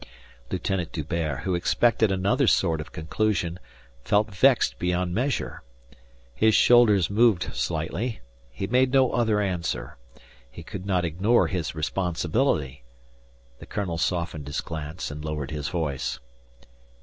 Lieutenant D'Hubert, who expected another sort of conclusion, felt vexed beyond measure. His shoulders moved slightly. He made no other answer. He could not ignore his responsibility. The colonel softened his glance and lowered his voice.